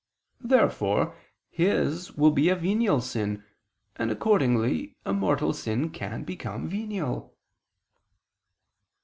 Therefore his will be a venial sin; and accordingly a mortal sin can become venial.